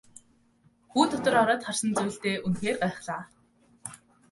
Хүү дотор ороод харсан зүйлдээ үнэхээр гайхлаа.